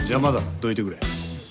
どいてくれ。